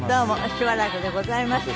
しばらくでございました。